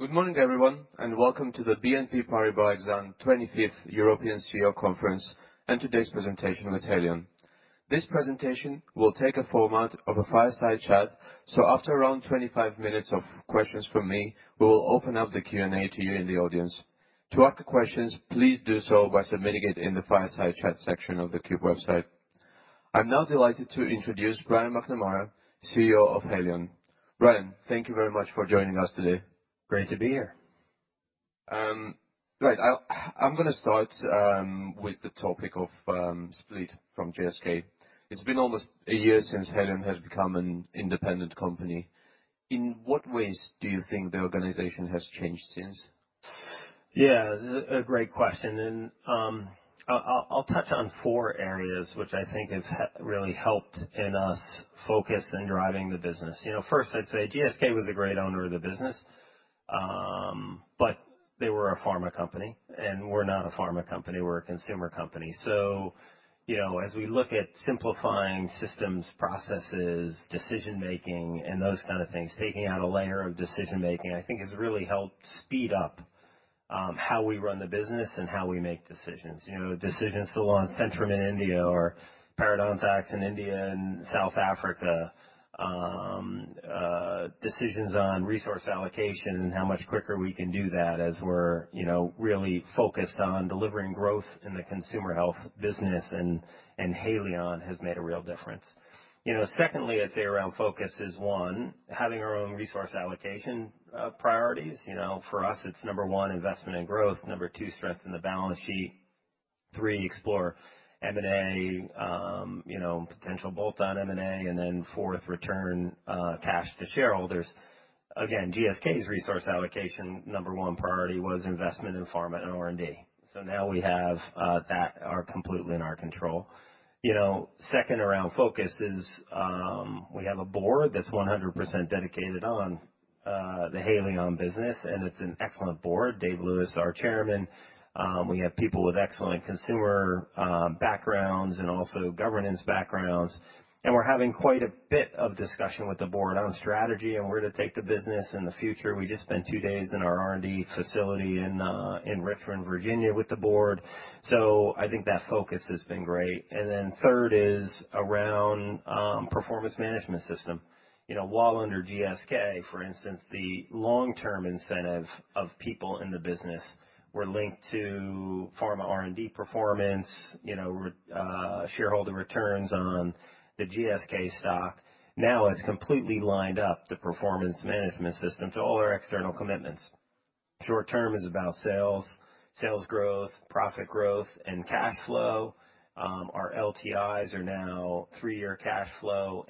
Good morning, everyone. Welcome to the BNP Paribas Exane 25th European CEO Conference, and today's presentation with Haleon. This presentation will take a format of a fireside chat, so after around 25 minutes of questions from me, we will open up the Q&A to you in the audience. To ask questions, please do so by submitting it in the fireside chat section of the Qube website. I'm now delighted to introduce Brian McNamara, CEO of Haleon. Brian, thank you very much for joining us today. Great to be here. Right. I'm gonna start, with the topic of, split from GSK. It's been almost a year since Haleon has become an independent company. In what ways do you think the organization has changed since? Yeah, a great question, and I'll touch on four areas which I think have really helped in us focus in driving the business. You know, first, I'd say GSK was a great owner of the business, but they were a pharma company, and we're not a pharma company, we're a consumer company. You know, as we look at simplifying systems, processes, decision-making and those kind of things, taking out a layer of decision-making, I think has really helped speed up, how we run the business and how we make decisions. You know, decisions still on Centrum in India or parodontax in India and South Africa. Decisions on resource allocation and how much quicker we can do that as we're, you know, really focused on delivering growth in the consumer health business, and Haleon has made a real difference. You know, secondly, I'd say around focus is, one, having our own resource allocation priorities. You know, for us, it's number one, investment in growth; number two, strengthen the balance sheet; three, explore M&A, you know, potential bolt-on M&A, and then fourth, return cash to shareholders. Again, GSK's resource allocation number one priority was investment in pharma and R&D. Now we have that completely in our control. You know, second around focus is, we have a board that's 100% dedicated on the Haleon business, and it's an excellent board. Dave Lewis, our chairman. We have people with excellent consumer backgrounds and also governance backgrounds, and we're having quite a bit of discussion with the board on strategy and where to take the business in the future. We just spent two days in our R&D facility in Richmond, Virginia, with the board. I think that focus has been great. Third is around performance management system. You know, while under GSK, for instance, the long-term incentive of people in the business were linked to pharma R&D performance, you know, shareholder returns on the GSK stock, now it's completely lined up the performance management system to all our external commitments. Short term is about sales growth, profit growth, and cash flow. Our LTIs are now three-year cash flow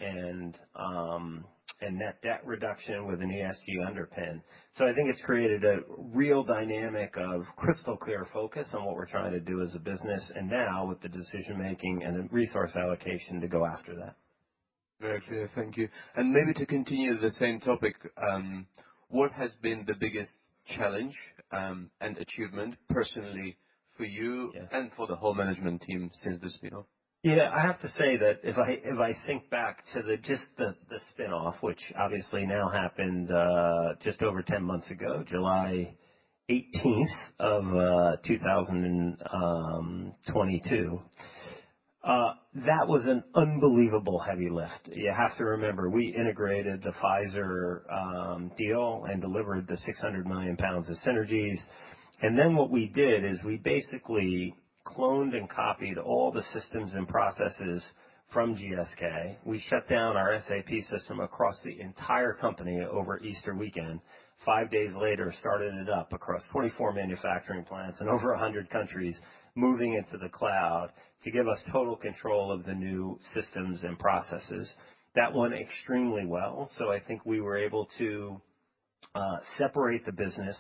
and net debt reduction with an ESG underpin. I think it's created a real dynamic of crystal clear focus on what we're trying to do as a business, and now with the decision-making and the resource allocation to go after that. Very clear. Thank you. Maybe to continue the same topic, what has been the biggest challenge, and achievement personally for you-? Yeah. for the whole management team since the spin-off? I have to say that if I, if I think back to the spin-off, which obviously now happened, just over 10 months ago, July 18, 2022, that was an unbelievable heavy lift. You have to remember, we integrated the Pfizer deal and delivered the 600 million pounds of synergies. Then what we did is we basically cloned and copied all the systems and processes from GSK. We shut down our SAP system across the entire company over Easter weekend. Five days later, started it up across 24 manufacturing plants in over 100 countries, moving into the cloud to give us total control of the new systems and processes. That went extremely well. I think we were able to separate the business.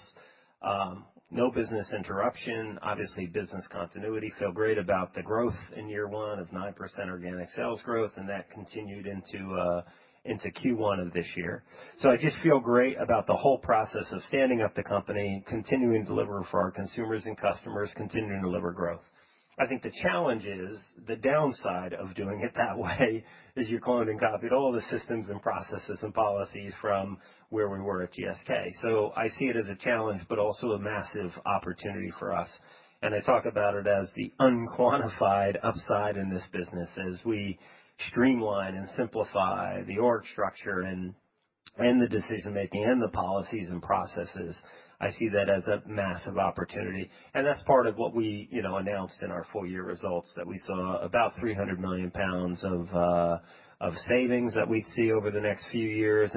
No business interruption, obviously business continuity. Feel great about the growth in year one of 9% organic sales growth, and that continued into Q1 of this year. I just feel great about the whole process of standing up the company, continuing to deliver for our consumers and customers, continuing to deliver growth. I think the challenge is the downside of doing it that way is you cloned and copied all the systems and processes and policies from where we were at GSK. I see it as a challenge, but also a massive opportunity for us. I talk about it as the unquantified upside in this business, as we streamline and simplify the org structure and the decision-making and the policies and processes, I see that as a massive opportunity. And that's part of what we. You know, announced in our full year results, that we saw about 300 million pounds of savings that we'd see over the next few years,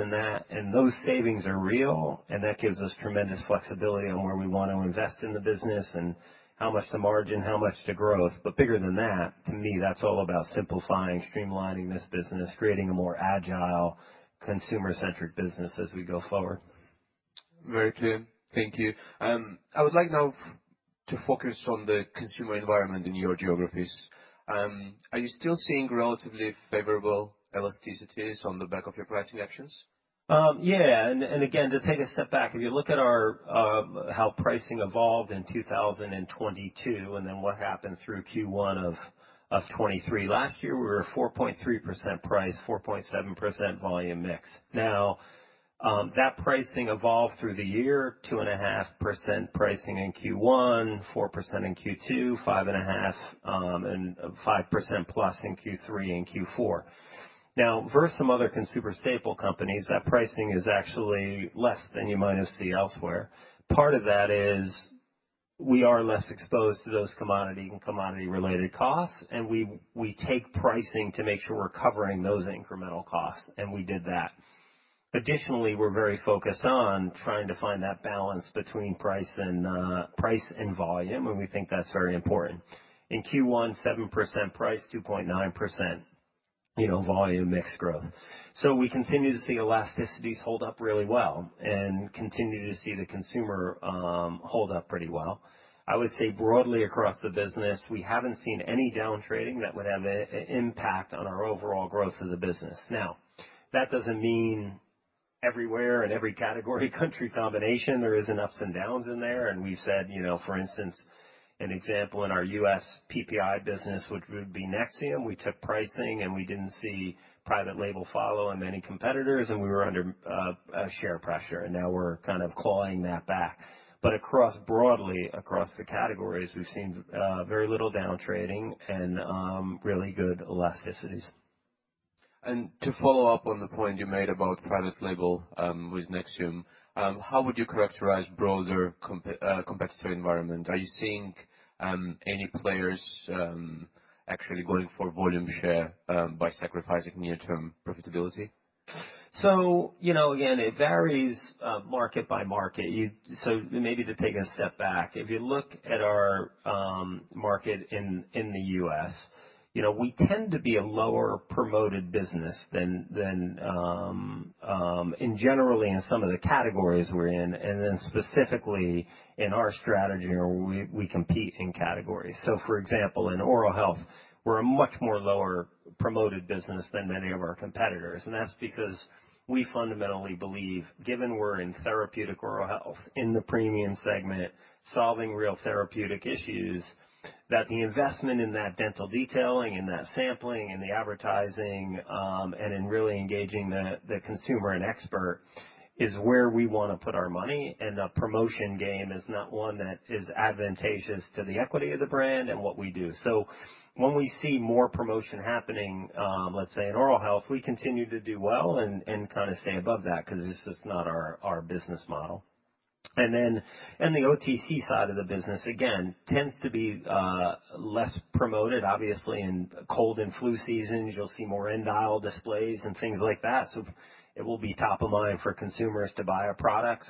those savings are real, and that gives us tremendous flexibility on where we want to invest in the business and how much to margin, how much to growth. Bigger than that, to me, that's all about simplifying, streamlining this business, creating a more agile, consumer-centric business as we go forward. Very clear. Thank you. I would like now to focus on the consumer environment in your geographies. Are you still seeing relatively favorable elasticities on the back of your pricing actions? Again, to take a step back, if you look at our how pricing evolved in 2022, and then what happened through Q1 of 2023. Last year, we were 4.3% price, 4.7% volume mix. That pricing evolved through the year, 2.5% pricing in Q1, 4% in Q2, 5.5%, and 5%+ in Q3 and Q4. Versus some other consumer staple companies, that pricing is actually less than you might have seen elsewhere. Part of that is we are less exposed to those commodity and commodity-related costs, and we take pricing to make sure we're covering those incremental costs, and we did that. We're very focused on trying to find that balance between price and price and volume, and we think that's very important. In Q1, 7% price, 2.9%, you know, volume mix growth. We continue to see elasticities hold up really well and continue to see the consumer hold up pretty well. I would say broadly across the business, we haven't seen any down trading that would have a impact on our overall growth of the business. That doesn't mean everywhere in every category, country combination, there isn't ups and downs in there. We've said, you know, for instance, an example in our U.S. PPI business, which would be Nexium, we took pricing, and we didn't see private label follow in many competitors, and we were under share pressure, and now we're kind of clawing that back. Across, broadly across the categories, we've seen, very little down trading and, really good elasticities. To follow up on the point you made about private label, with Nexium, how would you characterize broader competitive environment? Are you seeing any players, actually going for volume share, by sacrificing near-term profitability? You know, again, it varies, market by market. Maybe to take a step back, if you look at our market in the U.S., you know, we tend to be a lower promoted business than in generally in some of the categories we're in, and then specifically in our strategy, where we compete in categories. For example, in oral health, we're a much more lower promoted business than many of our competitors, and that's because we fundamentally believe, given we're in therapeutic oral health, in the premium segment, solving real therapeutic issues, that the investment in that dental detailing and that sampling and the advertising, and in really engaging the consumer and expert, is where we wanna put our money. The promotion game is not one that is advantageous to the equity of the brand and what we do. When we see more promotion happening, let's say in oral health, we continue to do well and kind of stay above that because it's just not our business model. Then, in the OTC side of the business, again, tends to be less promoted. Obviously, in cold and flu seasons, you'll see more end aisle displays and things like that, so it will be top of mind for consumers to buy a product.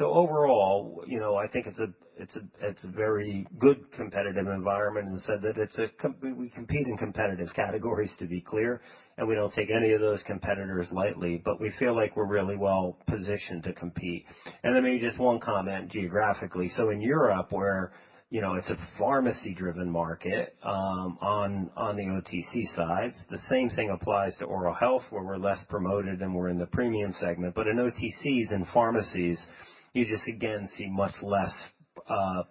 Overall, you know, I think it's a very good competitive environment. In the sense that we compete in competitive categories, to be clear. We don't take any of those competitors lightly, but we feel like we're really well positioned to compete. Maybe just one comment geographically. In Europe, where, you know, it's a pharmacy-driven market, on the OTC sides, the same thing applies to oral health, where we're less promoted than we're in the premium segment. In OTCs, in pharmacies, you just, again, see much less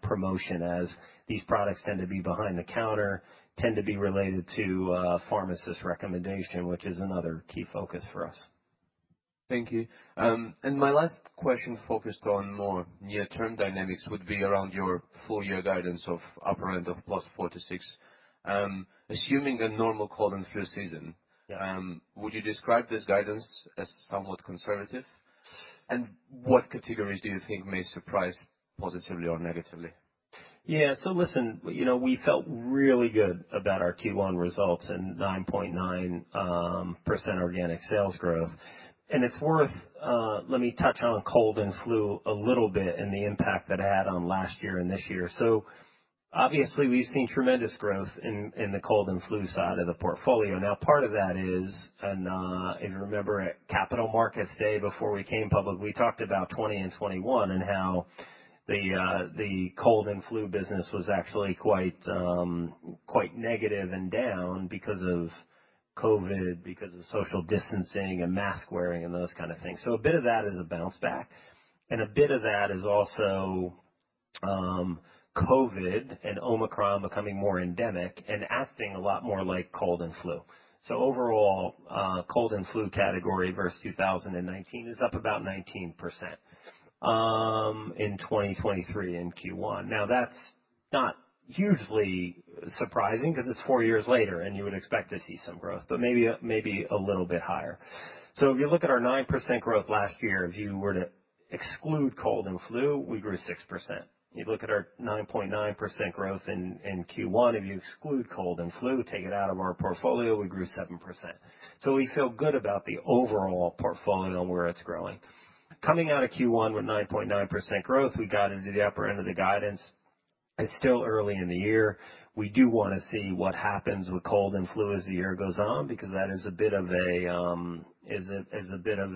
promotion as these products tend to be behind the counter, tend to be related to pharmacist recommendation, which is another key focus for us. Thank you. My last question, focused on more near-term dynamics, would be around your full year guidance of upper end of +4% to +6%. Assuming a normal cold and flu season. Yeah. Would you describe this guidance as somewhat conservative? What categories do you think may surprise positively or negatively? Yeah. Listen, you know, we felt really good about our Q1 results and 9.9% organic sales growth. It's worth. Let me touch on cold and flu a little bit and the impact that had on last year and this year. Obviously, we've seen tremendous growth in the cold and flu side of the portfolio. Now, part of that is, remember at Capital Markets Day, before we came public, we talked about 2020 and 2021, and how the cold and flu business was actually quite negative and down because of COVID, because of social distancing and mask wearing and those kind of things. A bit of that is a bounce back, and a bit of that is also COVID and Omicron becoming more endemic and acting a lot more like cold and flu. Overall, cold and flu category versus 2019 is up about 19% in 2023 in Q1. That's not hugely surprising because it's four years later and you would expect to see some growth, but maybe a little bit higher. If you look at our 9% growth last year, if you were to exclude cold and flu, we grew 6%. You look at our 9.9% growth in Q1, if you exclude cold and flu, take it out of our portfolio, we grew 7%. We feel good about the overall portfolio and where it's growing. Coming out of Q1 with 9.9% growth, we got into the upper end of the guidance. It's still early in the year. We do wanna see what happens with cold and flu as the year goes on, because that is a bit of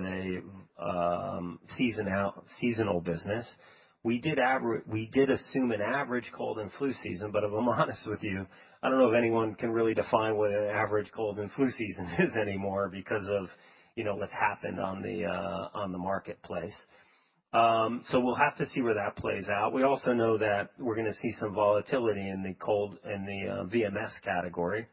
a seasonal business. We did assume an average cold and flu season, but if I'm honest with you, I don't know if anyone can really define what an average cold and flu season is anymore because of, you know, what's happened on the marketplace. So we'll have to see where that plays out. We also know that we're gonna see some volatility in the VMS category.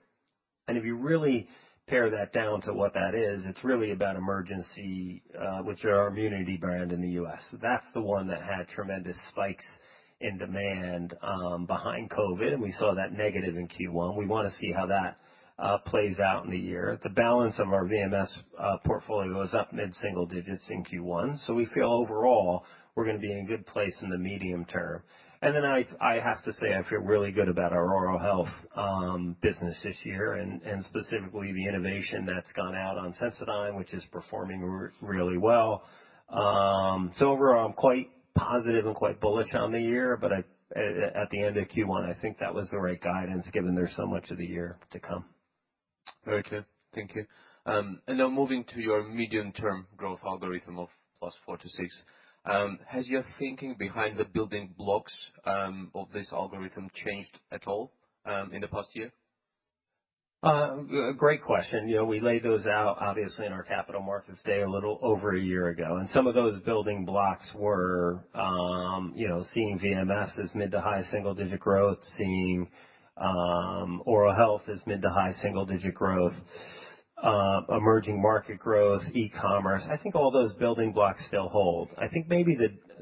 If you really pare that down to what that is, it's really about Emergen-C, which are our immunity brand in the U.S. That's the one that had tremendous spikes in demand, behind COVID, and we saw that negative in Q1. We wanna see how that plays out in the year. The balance of our VMS portfolio is up mid-single digits in Q1, so we feel overall, we're gonna be in good place in the medium term. I have to say, I feel really good about our oral health business this year, and specifically, the innovation that's gone out on Sensodyne, which is performing really well. Overall, I'm quite positive and quite bullish on the year, but I, at the end of Q1, I think that was the right guidance, given there's so much of the year to come. Very clear. Thank you. Now moving to your medium-term growth algorithm of +4% to +6%, has your thinking behind the building blocks of this algorithm changed at all in the past year? Great question. You know, we laid those out, obviously, in our Capital Markets Day, a little over a year ago, and some of those building blocks were, you know, seeing VMS as mid to high single digit growth, seeing, oral health as mid to high single digit growth, emerging market growth, e-commerce. I think all those building blocks still hold. I think maybe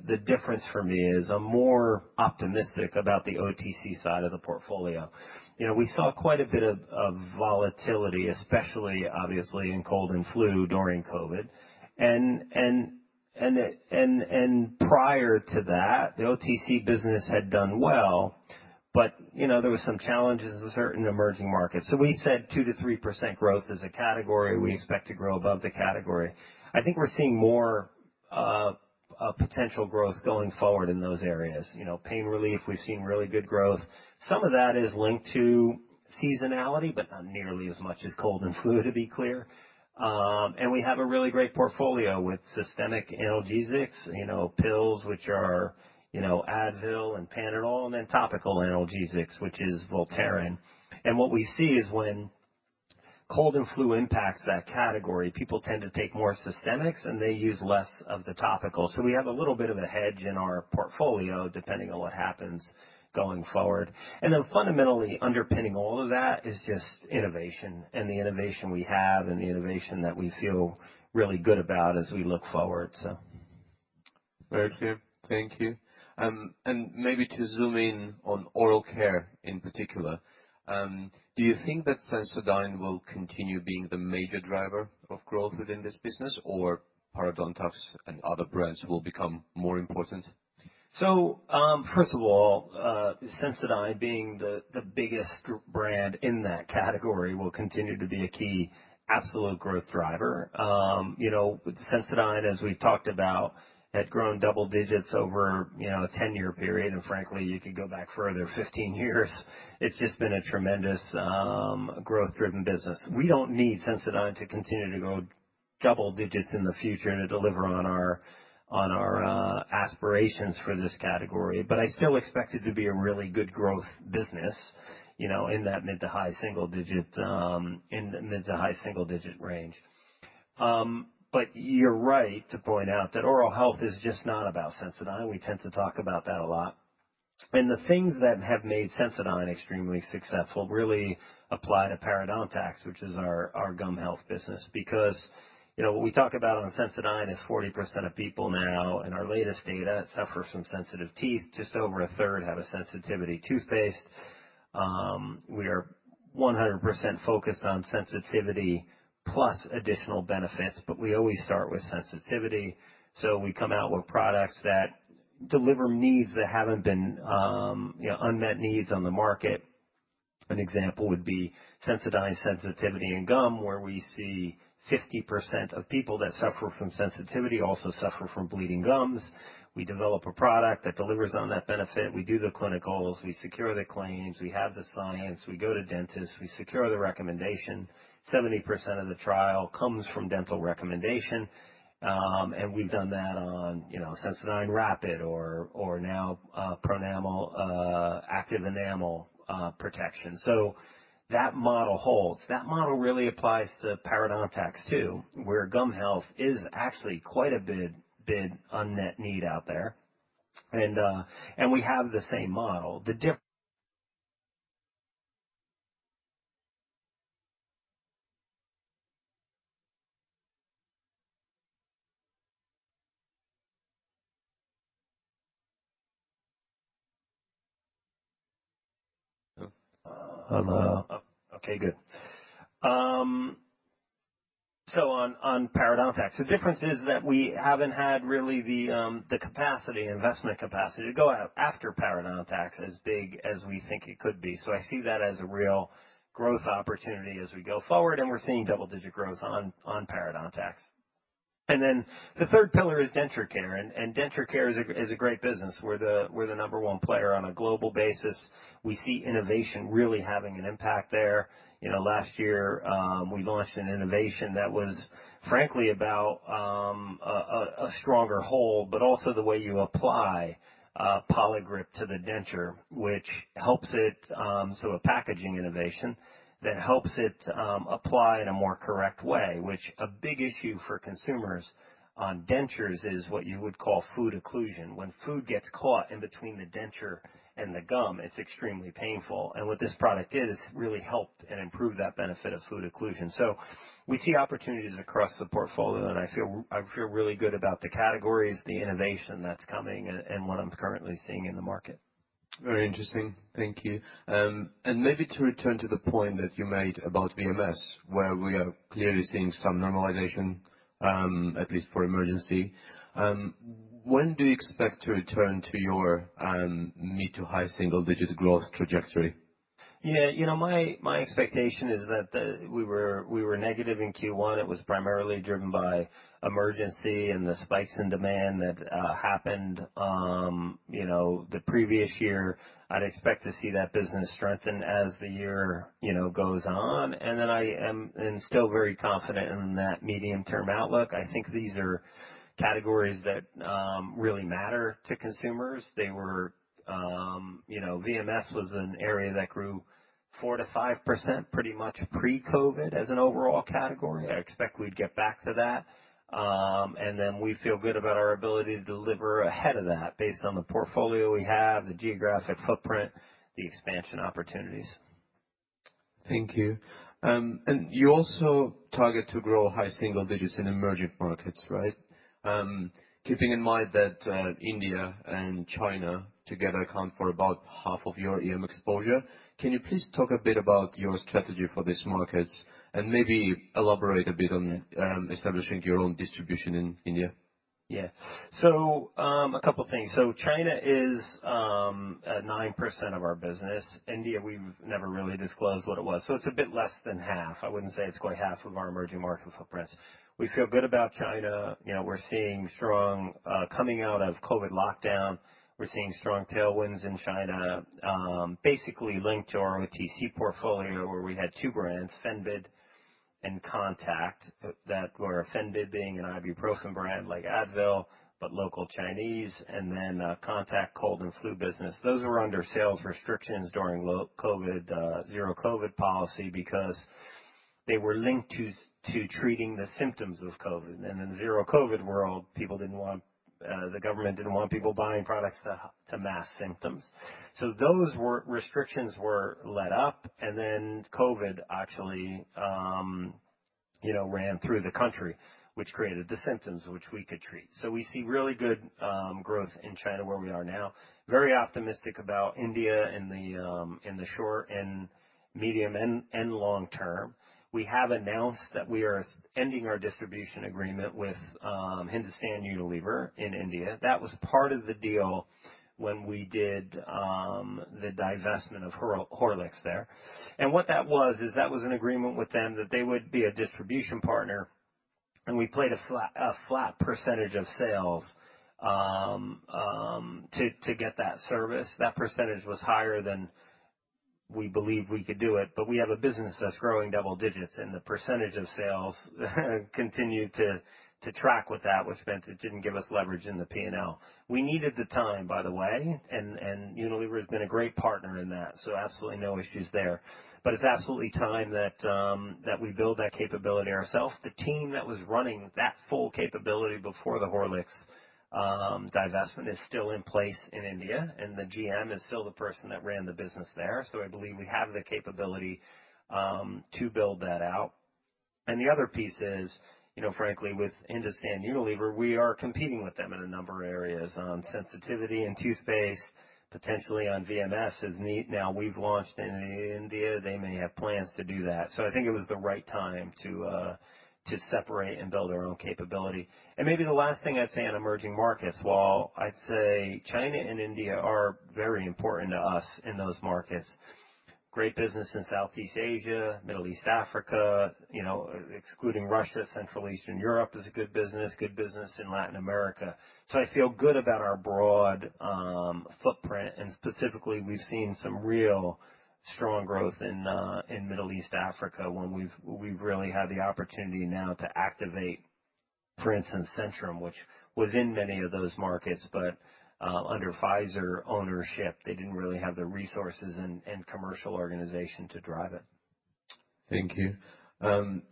the difference for me is I'm more optimistic about the OTC side of the portfolio. You know, we saw quite a bit of volatility, especially obviously in cold and flu during COVID. Prior to that, the OTC business had done well, but, you know, there was some challenges in certain emerging markets. We said 2% to 3% growth as a category. We expect to grow above the category. I think we're seeing more potential growth going forward in those areas. You know, pain relief, we've seen really good growth. Some of that is linked to seasonality, but not nearly as much as cold and flu, to be clear. We have a really great portfolio with systemic analgesics, you know, pills, which are, you know, Advil and Panadol, and then topical analgesics, which is Voltaren. What we see is when cold and flu impacts that category, people tend to take more systemics and they use less of the topical. We have a little bit of a hedge in our portfolio depending on what happens going forward. Fundamentally underpinning all of that is just innovation and the innovation we have and the innovation that we feel really good about as we look forward. Very clear. Thank you. Maybe to zoom in on oral care in particular, do you think that Sensodyne will continue being the major driver of growth within this business, or parodontax and other brands will become more important? First of all, Sensodyne being the biggest brand in that category will continue to be a key, absolute growth driver. Sensodyne, as we've talked about, had grown double digits over a 10-year period, and frankly, you could go back further, 15 years. It's just been a tremendous, growth-driven business. We don't need Sensodyne to continue to grow double digits in the future and to deliver on our aspirations for this category, but I still expect it to be a really good growth business, in that mid to high single digit, in the mid to high single digit range. But you're right to point out that oral health is just not about Sensodyne. We tend to talk about that a lot. The things that have made Sensodyne extremely successful really apply to parodontax, which is our gum health business. You know, what we talk about on Sensodyne is 40% of people now, in our latest data, suffer from sensitive teeth. Just over a 1/3 have a sensitivity toothpaste. We are 100% focused on sensitivity plus additional benefits, but we always start with sensitivity. We come out with products that deliver needs that haven't been, you know, unmet needs on the market. An example would be Sensodyne Sensitivity & Gum, where we see 50% of people that suffer from sensitivity also suffer from bleeding gums. We develop a product that delivers on that benefit. We do the clinicals, we secure the claims, we have the science, we go to dentists, we secure the recommendation. 70% of the trial comes from dental recommendation, you know, Sensodyne Rapid Relief or now Pronamel Active Enamel Shield. That model holds. That model really applies to parodontax, too, where gum health is actually quite a big unmet need out there. We have the same model. On parodontax, the difference is that we haven't had really the capacity, investment capacity to go out after parodontax as big as we think it could be. I see that as a real growth opportunity as we go forward, and we're seeing double-digit growth on parodontax. Then the third pillar is Denture Care, and Denture Care is a great business. We're the number one player on a global basis. We see innovation really having an impact there. You know, last year, we launched an innovation that was frankly about a stronger hold, but also the way you apply Poligrip to the denture, which helps it. So a packaging innovation that helps it apply in a more correct way, which a big issue for consumers on dentures is what you would call food occlusion. When food gets caught in between the denture and the gum, it's extremely painful. What this product did, is really helped and improved that benefit of food occlusion. We see opportunities across the portfolio, and I feel really good about the categories, the innovation that's coming, and what I'm currently seeing in the market. Very interesting. Thank you. Maybe to return to the point that you made about VMS, where we are clearly seeing some normalization, at least for Emergen-C. When do you expect to return to your mid to high single-digit growth trajectory? Yeah, you know, my expectation is that we were negative in Q1. It was primarily driven by Emergen-C and the spikes in demand that happened, you know, the previous year. I'd expect to see that business strengthen as the year, you know, goes on. I am still very confident in that medium-term outlook. I think these are categories that really matter to consumers. They were, you know, VMS was an area that grew 4%-5%, pretty much pre-COVID, as an overall category. I expect we'd get back to that. We feel good about our ability to deliver ahead of that, based on the portfolio we have, the geographic footprint, the expansion opportunities. Thank you. You also target to grow high single digits in emerging markets, right? Keeping in mind that India and China together account for about half of your EM exposure, can you please talk a bit about your strategy for these markets, and maybe elaborate a bit on establishing your own distribution in India? Yeah. A couple things. China is at 9% of our business. India, we've never really disclosed what it was, so it's a bit less than half. I wouldn't say it's quite half of our emerging market footprint. We feel good about China. You know, we're seeing strong Coming out of COVID lockdown, we're seeing strong tailwinds in China, basically linked to our OTC portfolio, where we had two brands, Fenbid and Contac, where Fenbid being an ibuprofen brand like Advil, but local Chinese, and then Contac cold and flu business. Those were under sales restrictions during COVID zero COVID policy because they were linked to treating the symptoms of COVID. In the zero COVID world, people didn't want the government didn't want people buying products to mask symptoms. Restrictions were let up, COVID actually, you know, ran through the country, which created the symptoms which we could treat. We see really good growth in China, where we are now. Very optimistic about India in the short and medium and long term. We have announced that we are ending our distribution agreement with Hindustan Unilever in India. That was part of the deal when we did the divestment of Horlicks there. What that was, is that was an agreement with them that they would be a distribution partner, and we played a flat % of sales to get that service. That percentage was higher than we believed we could do it, but we have a business that's growing double digits, and the percentage of sales continued to track what that was spent. It didn't give us leverage in the P&L. We needed the time, by the way, and Unilever has been a great partner in that, so absolutely no issues there. It's absolutely time that we build that capability ourself. The team that was running that full capability before the Horlicks divestment is still in place in India, and the GM is still the person that ran the business there. I believe we have the capability to build that out. The other piece is, you know, frankly, with Hindustan Unilever, we are competing with them in a number of areas. On sensitivity and toothpaste, potentially on VMS, as [neat], now we've launched in India. They may have plans to do that. I think it was the right time to separate and build our own capability. Maybe the last thing I'd say on emerging markets, while I'd say China and India are very important to us in those markets, great business in Southeast Asia, Middle East, Africa, you know, excluding Russia, Central Eastern Europe is a good business, good business in Latin America. I feel good about our broad footprint, and specifically, we've seen some real strong growth in Middle East Africa, when we really have the opportunity now to activate, for instance, Centrum, which was in many of those markets, but under Pfizer ownership, they didn't really have the resources and commercial organization to drive it. Thank you.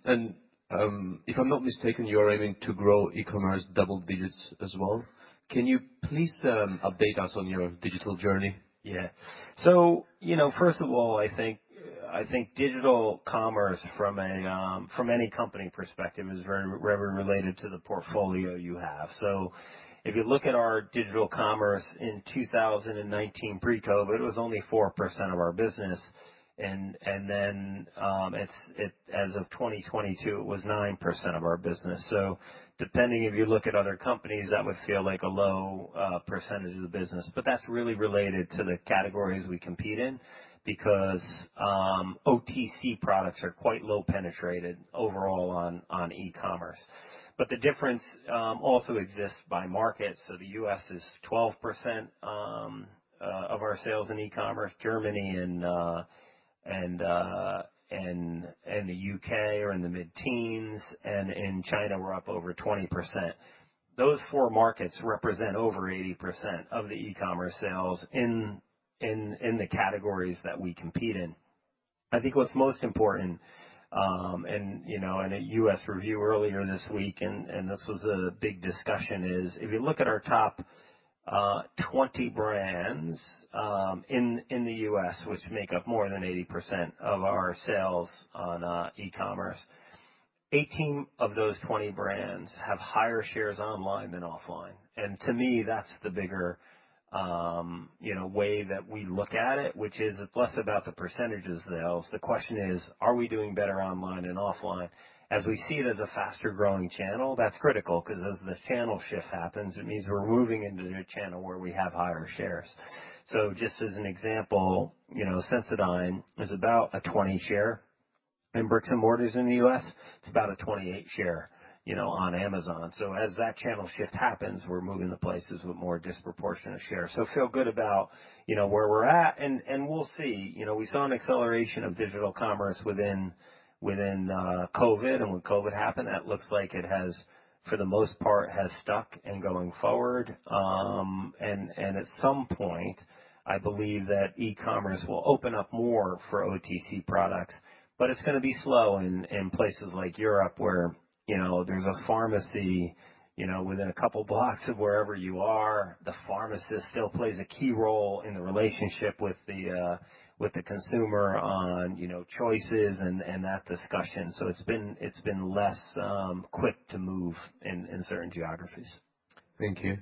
If I'm not mistaken, you are aiming to grow e-commerce double digits as well. Can you please update us on your digital journey? You know, first of all, I think digital commerce from a from any company perspective, is very related to the portfolio you have. If you look at our digital commerce in 2019 pre-COVID, it was only 4% of our business. As of 2022, it was 9% of our business. Depending, if you look at other companies, that would feel like a low percentage of the business, but that's really related to the categories we compete in, because OTC products are quite low penetrated overall on e-commerce. The difference also exists by market. The U.S. is 12% of our sales in e-commerce. Germany and the UK are in the mid-teens, and in China, we're up over 20%. Those four markets represent over 80% of the e-commerce sales in the categories that we compete in. I think what's most important, and, you know, in a U.S. review earlier this week, and this was a big discussion, is if you look at our top 20 brands in the U.S., which make up more than 80% of our sales on e-commerce. 18 of those 20 brands have higher shares online than offline. To me, that's the bigger, you know, way that we look at it, which is it's less about the percentages sales. The question is, are we doing better online than offline? As we see it as a faster growing channel, that's critical, 'cause as the channel shift happens, it means we're moving into a new channel where we have higher shares. Just as an example, you know, Sensodyne is about a 20 share in bricks and mortars in the U.S. It's about a 28 share, you know, on Amazon. As that channel shift happens, we're moving to places with more disproportionate share. Feel good about, you know, where we're at, and we'll see. You know, we saw an acceleration of digital commerce within COVID, and when COVID happened, that looks like it has, for the most part, has stuck in going forward. At some point, I believe that e-commerce will open up more for OTC products, but it's gonna be slow in places like Europe, where, you know, there's a pharmacy, you know, within a couple blocks of wherever you are. The pharmacist still plays a key role in the relationship with the with the consumer on, you know, choices and that discussion. It's been, it's been less quick to move in certain geographies. Thank you.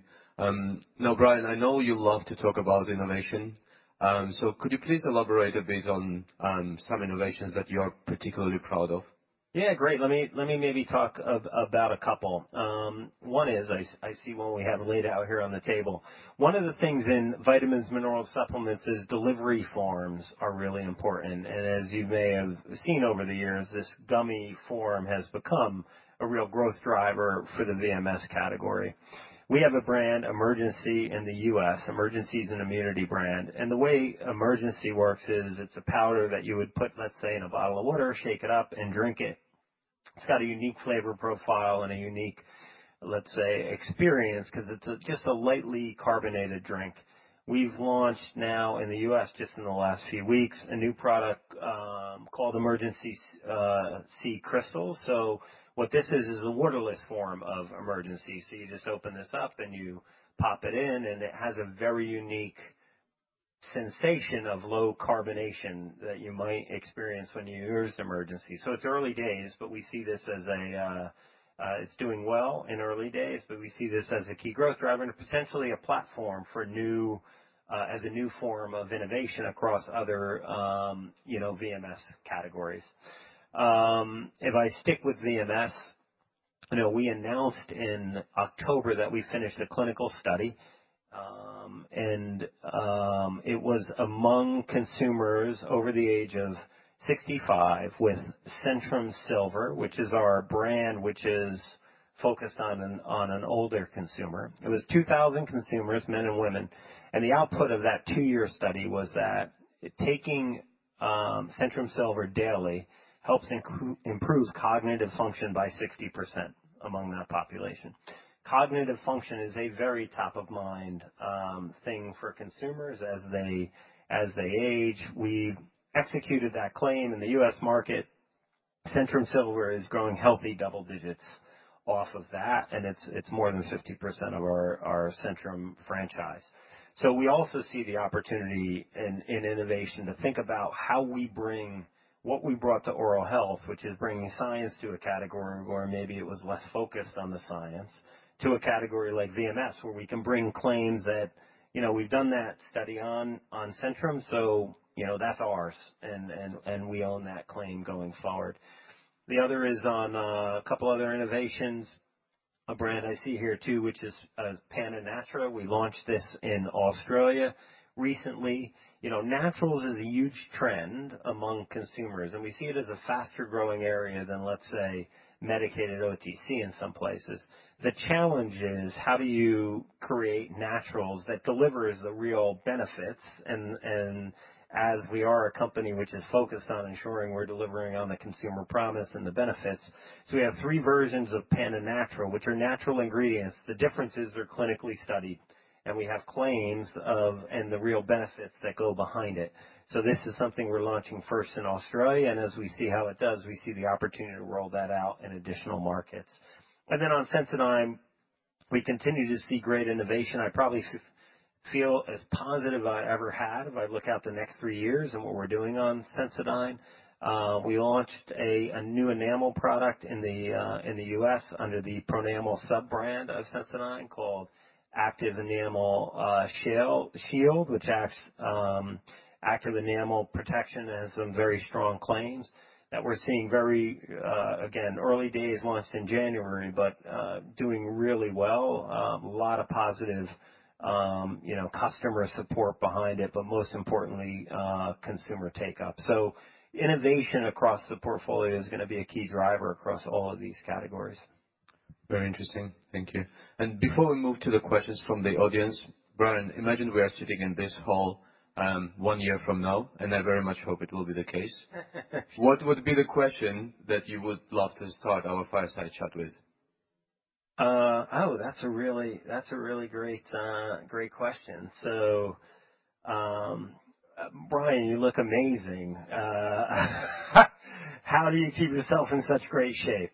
Now, Brian, I know you love to talk about innovation, so could you please elaborate a bit on some innovations that you're particularly proud of? Yeah, great. Let me maybe talk about a couple. One is, I see one we have laid out here on the table. One of the things in vitamins, mineral, supplements is delivery forms are really important. As you may have seen over the years, this gummy form has become a real growth driver for the VMS category. We have a brand, Emergen-C, in the U.S. Emergen-C is an immunity brand. The way Emergen-C works is, it's a powder that you would put, let's say, in a bottle of water, shake it up and drink it. It's got a unique flavor profile and a unique, let's say, experience, 'cause it's a just a lightly carbonated drink. We've launched now in the U.S., just in the last few weeks, a new product called Emergen-C Crystals. What this is a waterless form of Emergen-C. You just open this up, and you pop it in, and it has a very unique sensation of low carbonation that you might experience when you use Emergen-C. It's early days, but we see this as a key growth driver and potentially a platform for new, as a new form of innovation across other, you know, VMS categories. If I stick with VMS, you know, we announced in October that we finished a clinical study, and it was among consumers over the age of 65 with Centrum Silver, which is our brand, which is focused on an older consumer. It was 2,000 consumers, men and women, and the output of that two-year study was that taking Centrum Silver daily helps improves cognitive function by 60% among that population. Cognitive function is a very top-of-mind thing for consumers as they age. We executed that claim in the U.S. market. Centrum Silver is growing healthy double digits off of that, and it's more than 50% of our Centrum franchise. We also see the opportunity in innovation to think about how we bring what we brought to oral health, which is bringing science to a category where maybe it was less focused on the science, to a category like VMS, where we can bring claims that... You know, we've done that study on Centrum, so, you know, that's ours, and we own that claim going forward. The other is on a couple other innovations, a brand I see here, too, which is PanaNatra. We launched this in Australia recently. You know, naturals is a huge trend among consumers, and we see it as a faster growing area than, let's say, medicated OTC in some places. The challenge is, how do you create naturals that delivers the real benefits? As we are a company which is focused on ensuring we're delivering on the consumer promise and the benefits. We have three versions of PanaNatra, which are natural ingredients. The difference is they're clinically studied, and we have claims of the real benefits that go behind it. This is something we're launching first in Australia, and as we see how it does, we see the opportunity to roll that out in additional markets. On Sensodyne, we continue to see great innovation. I probably feel as positive as I ever had if I look out the next three years and what we're doing on Sensodyne. We launched a new enamel product in the in the U.S. under the Pronamel sub-brand of Sensodyne called Active Enamel Shield, which acts active enamel protection and some very strong claims that we're seeing very again, early days, launched in January, but doing really well. A lot of positive, you know, customer support behind it, but most importantly, consumer take-up. Innovation across the portfolio is gonna be a key driver across all of these categories. Very interesting. Thank you. Before we move to the questions from the audience, Brian, imagine we are sitting in this hall, one year from now, and I very much hope it will be the case. What would be the question that you would love to start our fireside chat with? Oh, that's a really great question. Brian, you look amazing. How do you keep yourself in such great shape?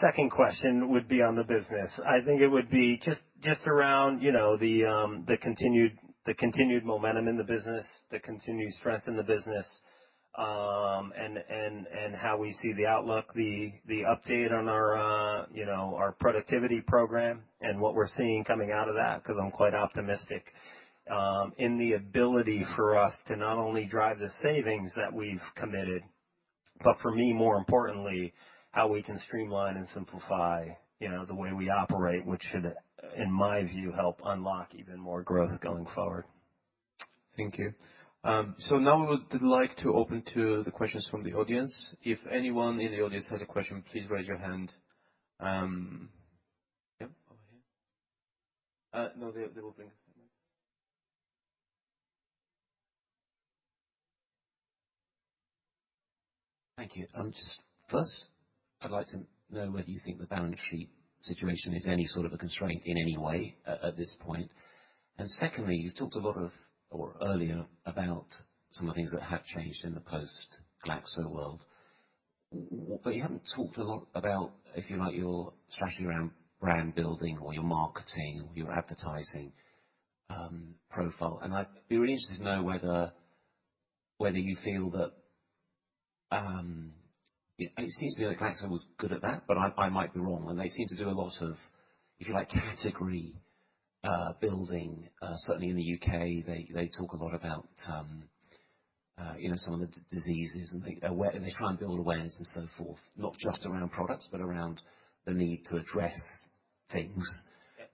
Second question would be on the business. I think it would be just around, you know, the continued momentum in the business, the continued strength in the business, and how we see the outlook, the update on our, you know, our productivity program and what we're seeing coming out of that, 'cause I'm quite optimistic in the ability for us to not only drive the savings that we've committed, but for me, more importantly, how we can streamline and simplify, you know, the way we operate, which should, in my view, help unlock even more growth going forward. Thank you. Now we would like to open to the questions from the audience. If anyone in the audience has a question, please raise your hand. Over here. They will bring it. Thank you. Just first, I'd like to know whether you think the balance sheet situation is any sort of a constraint in any way at this point? Secondly, you've talked a lot earlier about some of the things that have changed in the post-Glaxo world. You haven't talked a lot about, if you like, your strategy around brand building or your marketing or your advertising profile. I'd be really interested to know whether you feel that... It seems to me like Glaxo was good at that, but I might be wrong. They seem to do a lot of, if you like, category building. Certainly in the UK, they talk a lot about, you know, some of the diseases, and they try and build awareness and so forth, not just around products, but around the need to address things.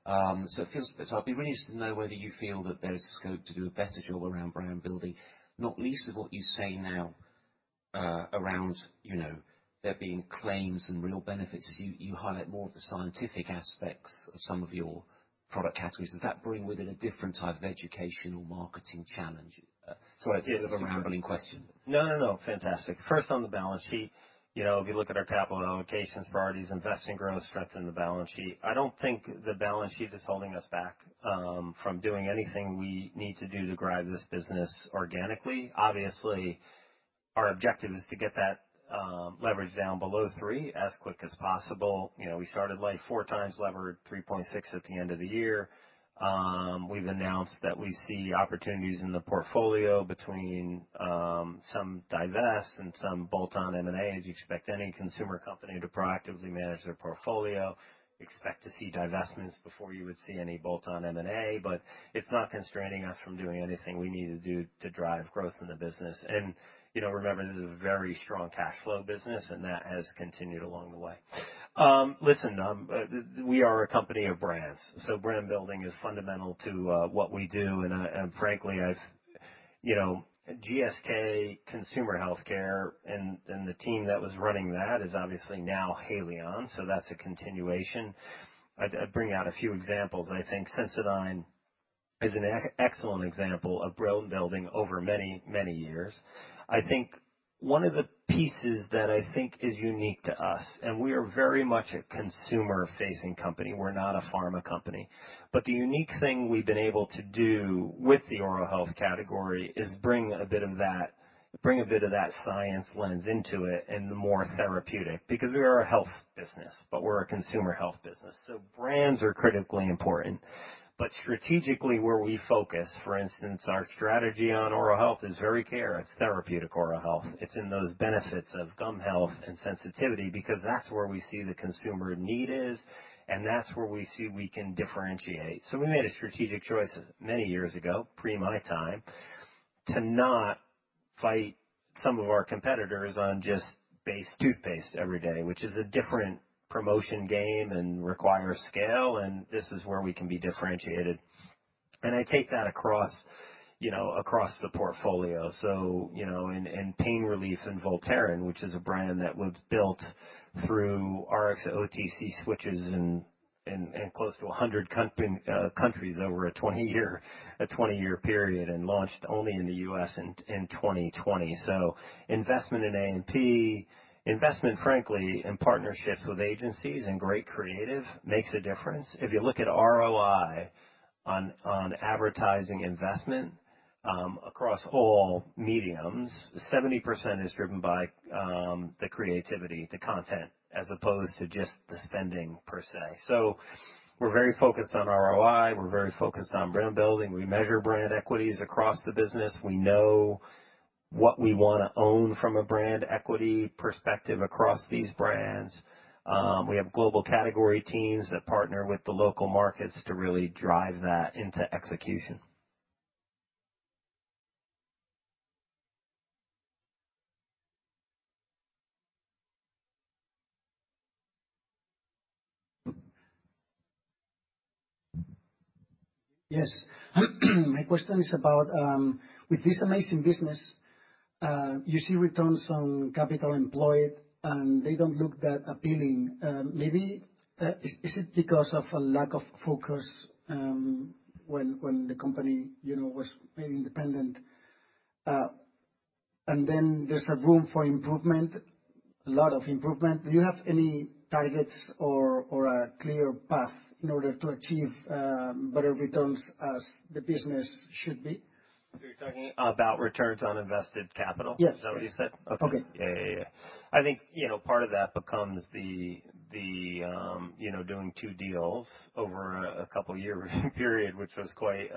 I'd be really interested to know whether you feel that there's scope to do a better job around brand building, not least of what you say now, around, you know, there being claims and real benefits. If you highlight more of the scientific aspects of some of your product categories, does that bring with it a different type of educational marketing challenge? Sorry, it's a bit of a rambling question. No, no, fantastic. First, on the balance sheet, you know, if you look at our capital allocations, priorities, invest in growth, strengthen the balance sheet. I don't think the balance sheet is holding us back from doing anything we need to do to drive this business organically. Obviously, our objective is to get that leverage down below three as quick as possible. You know, we started, like, 4x lever, 3.6 at the end of the year. We've announced that we see opportunities in the portfolio between some divest and some bolt-on M&A. As you expect any consumer company to proactively manage their portfolio, expect to see divestments before you would see any bolt-on M&A, but it's not constraining us from doing anything we need to do to drive growth in the business. You know, remember, this is a very strong cash flow business, and that has continued along the way. Listen, we are a company of brands, so brand building is fundamental to what we do. Frankly, I've... You know, GSK Consumer Healthcare and the team that was running that is obviously now Haleon, so that's a continuation. I'd bring out a few examples. I think Sensodyne is an excellent example of brand building over many, many years. I think one of the pieces that I think is unique to us. We are very much a consumer-facing company, we're not a pharma company. The unique thing we've been able to do with the oral health category is bring a bit of that science lens into it and the more therapeutic, because we are a health business. We're a consumer health business. Brands are critically important. Strategically, where we focus, for instance, our strategy on oral health is very clear. It's therapeutic oral health. It's in those benefits of gum health and sensitivity, because that's where we see the consumer need is, and that's where we see we can differentiate. We made a strategic choice many years ago, pre my time, to not fight some of our competitors on just base toothpaste every day, which is a different promotion game and requires scale, and this is where we can be differentiated. I take that across, you know, across the portfolio. You know, in pain relief in Voltaren, which is a brand that was built through Rx-to-OTC switches in close to 100 count countries over a 20-year period, and launched only in the U.S. in 2020. Investment in A&P, investment, frankly, in partnerships with agencies and great creative, makes a difference. If you look at ROI on advertising investment across all mediums, 70% is driven by the creativity, the content, as opposed to just the spending per se. We're very focused on ROI. We're very focused on brand building. We measure brand equities across the business. We know what we wanna own from a brand equity perspective across these brands. We have global category teams that partner with the local markets to really drive that into execution. Yes. My question is about, with this amazing business, you see returns on capital employed, and they don't look that appealing. Maybe is it because of a lack of focus when the company, you know, was made independent? There's a room for improvement, a lot of improvement. Do you have any targets or a clear path in order to achieve better returns as the business should be? You're talking about returns on invested capital? Yes. Is that what you said? Okay. Yeah, yeah. I think, you know, part of that becomes the, you know, doing two deals over a couple of years period, which was quite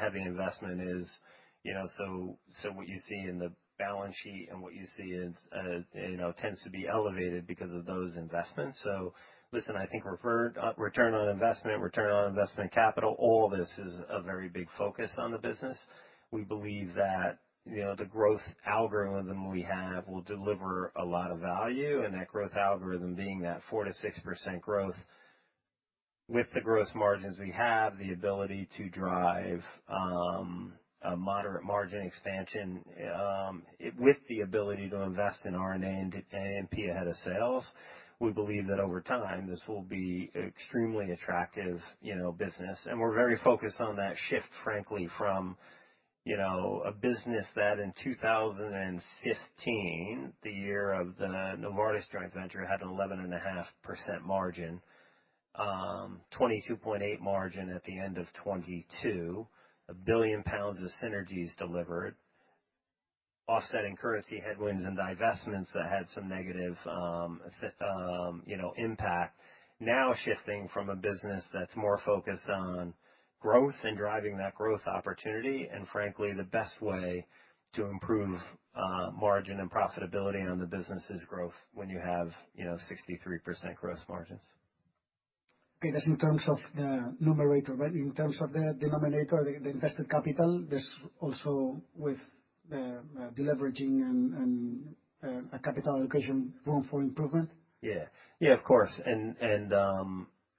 heavy investment is, you know, so what you see in the balance sheet and what you see is, you know, tends to be elevated because of those investments. Listen, I think refer, return on investment, return on investment capital, all of this is a very big focus on the business. We believe that, you know, the growth algorithm we have will deliver a lot of value, and that growth algorithm being that 4%-6% growth. With the growth margins we have, the ability to drive a moderate margin expansion, with the ability to invest in R&D and A&P ahead of sales. We believe that over time, this will be extremely attractive business. We're very focused on that shift, frankly, from a business that in 2015, the year of the Novartis joint venture, had an 11.5% margin, 22.8% margin at the end of 2022. 1 billion pounds of synergies delivered, offsetting currency headwinds and divestments that had some negative impact. Shifting from a business that's more focused on growth and driving that growth opportunity, and frankly, the best way to improve margin and profitability on the business' growth when you have 63% growth margins. Okay. That's in terms of the numerator, but in terms of the denominator, the invested capital, there's also with the deleveraging and a capital allocation room for improvement? Yeah, of course.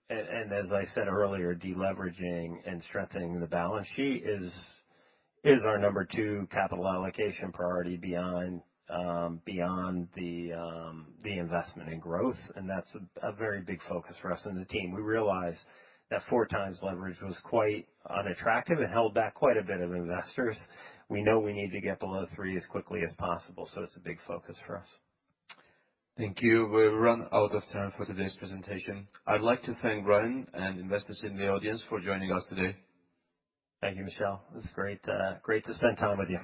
As I said earlier, deleveraging and strengthening the balance sheet is our number two capital allocation priority beyond the investment in growth, and that's a very big focus for us and the team. We realize that four times leverage was quite unattractive and held back quite a bit of investors. We know we need to get below three as quickly as possible. It's a big focus for us. Thank you. We've run out of time for today's presentation. I'd like to thank Brian and investors in the audience for joining us today. Thank you, Michelle. It was great to spend time with you.